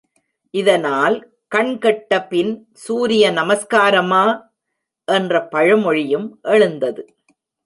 இதனால், கண் கெட்ட பின் சூரிய நமஸ்காரமா? என்ற பழமொழியும் எழுந்தது.